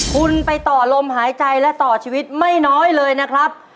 คุณไปต่อลมหายใจและต่อชีวิตไม่น้อยเลยนะครับ